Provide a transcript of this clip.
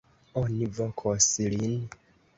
Oni vokos lin.